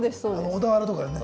小田原とかにね。